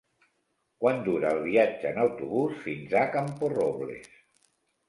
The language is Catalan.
Quant dura el viatge en autobús fins a Camporrobles?